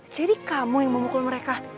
jadi kamu yang memukul mereka